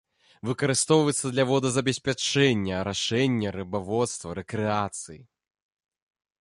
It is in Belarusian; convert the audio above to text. Выкарыстоўваецца для водазабеспячэння, арашэння, рыбаводства, рэкрэацыі.